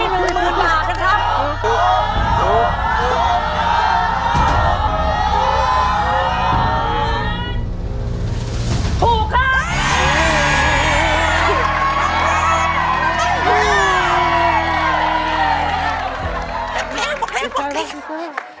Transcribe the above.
ถูกถูกถูก